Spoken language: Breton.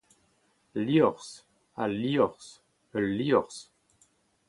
liorzh, al liorzh, ul liorzh